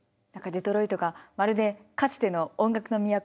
何かデトロイトがまるでかつての音楽の都